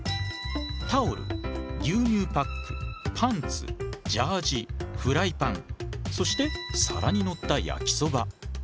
タオル牛乳パックパンツジャージフライパンそして皿に乗った焼きそば。